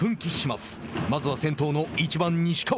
まずは先頭の１番西川。